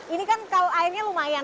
ini kan kalau airnya lumayan